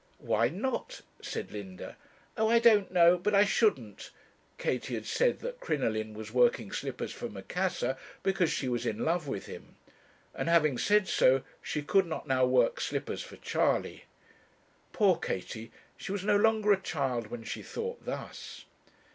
'Why not?' said Linda. 'Oh I don't know but I shouldn't.' Katie had said that Crinoline was working slippers for Macassar because she was in love with him; and having said so, she could not now work slippers for Charley. Poor Katie! she was no longer a child when she thought thus.